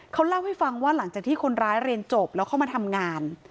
เขาเล่าให้ฟังว่าหลังจากที่คนร้ายเรียนจบแล้วเข้ามาทำงาน